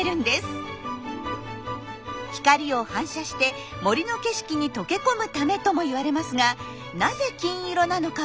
光を反射して森の景色に溶け込むためともいわれますがなぜ金色なのかはよくわかっていません。